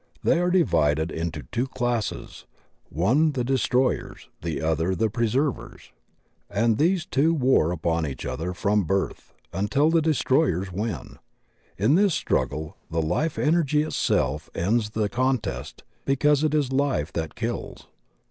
They are divided into two classes, one the destroyers, the other the pre servers, and these two war upon each other from birfli until the destroyers win. In this struggle the Life Energy itself ends the contest because it is life that kills.